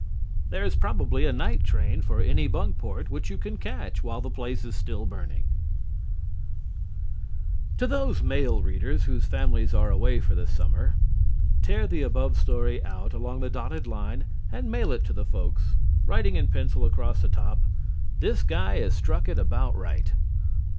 There is probably a night train for Anybunkport which you can catch while the place is still burning. To those male readers whose families are away for the summer: _Tear the above story out along dotted line and mail it to the folks, writing in pencil across the top "This guy has struck it about right."